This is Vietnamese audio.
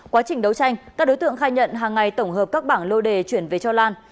quá trình đấu tranh các đối tượng khai nhận hàng ngày tổng hợp các bảng lô đề chuyển về cho lan